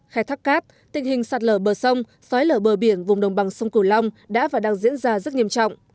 khai thác cát tình hình sạt lở bờ sông xói lở bờ biển vùng đồng bằng sông cửu long đã và đang diễn ra rất nghiêm trọng